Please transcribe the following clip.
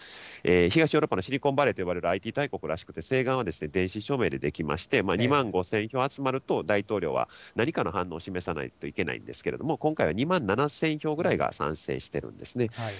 東ヨーロッパのシリコンバレーと呼ばれるＩＴ大国らしくて、請願は電子署名でできまして、２万５０００票集まると、大統領は何かの反応を示さないといけないんですけれども、今回は２万７０００票ぐらいが賛成してるんですね。